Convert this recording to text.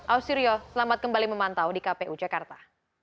ausir yo selamat kembali memantau di kpu jakarta